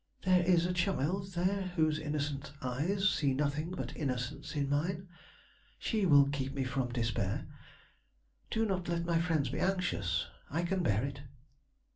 There is a child there whose innocent eyes see nothing but innocence in mine. She will keep me from despair. Do not let my friends be anxious; I can bear it."